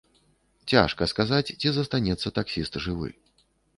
Цяжка сказаць, ці застанецца таксіст жывы.